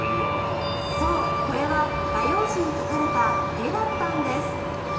そう、これは画用紙に描かれた絵だったんです。